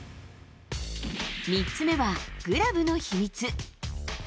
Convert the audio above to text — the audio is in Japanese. ３つ目はグラブの秘密。